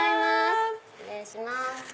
失礼します。